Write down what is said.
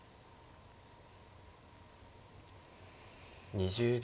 ２０秒。